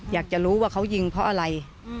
อยากจะรู้ว่าเขายิงเพราะอะไร